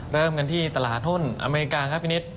เริ่มกันที่ตลาดหุ้นอเมริกาครับพี่นิด